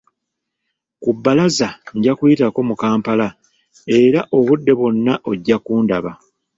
Ku bbalaza nja kuyitako mu Kampala era obudde bwonna ogenda kundaba.